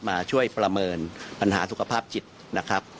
มาช่วยประเมินปัญหาสุขภาพจิตนะครับ